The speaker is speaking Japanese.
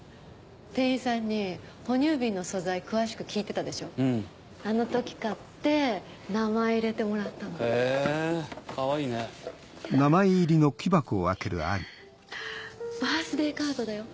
店員さんに哺乳瓶の素材詳しく聞いてたであの時買って名前入れてもらったのへぇかわいいね見てバースデーカードだよ